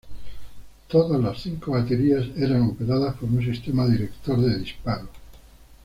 Todas las cinco baterías eran operadas por un sistema director de disparo.